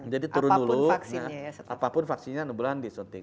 jadi turun dulu apapun vaksinnya enam bulan disuntik